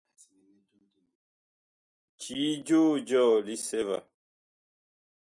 Cii joo jɔɔ lisɛ va.